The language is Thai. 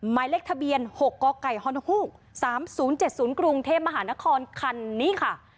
หมายเลขทะเบียน๖กกฮ๓๐๗๐กรุงเทพมหานครคันนี้ค่ะ